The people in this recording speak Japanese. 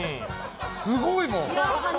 すごいもん。